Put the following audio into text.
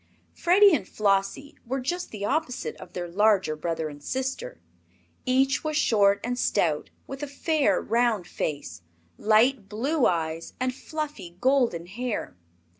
Freddie and Flossie were just the opposite of their larger brother and sister. Each was short and stout, with a fair, round face, light blue eyes and fluffy golden hair.